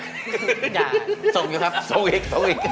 อย่าส่งอยู่ครับสู้อีกสู้อีก